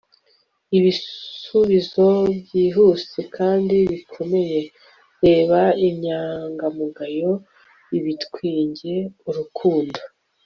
ibisubizo byihuse kandi bikomeye, reba inyangamugayo, ibitwenge, urukundo